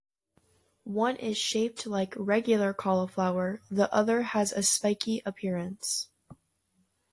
One is shaped like regular cauliflower, the other has a spiky appearance.